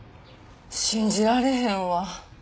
信じられへんわ。